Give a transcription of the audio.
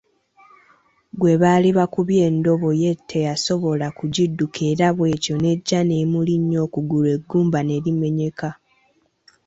Gwe baali bakubye endobo ye teyasobola kugidduka era bwetyo n’ejja nemulinnya okugulu eggumba ne limenyeka.